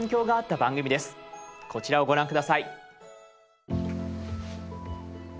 こちらをご覧下さい。